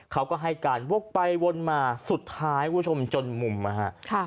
เขาก็ให้การวกไปวนมาสุดท้ายคุณผู้ชมจนมุมนะฮะ